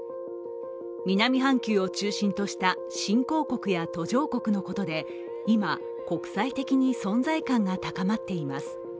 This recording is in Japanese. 南半球を中心とした新興国や途上国のことで今、国際的に存在感が高まっています。